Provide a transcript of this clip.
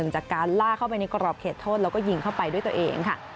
จากการล่าเข้าไปในกรอบเขตโทษแล้วก็ยิงเข้าไปด้วยตัวเองค่ะ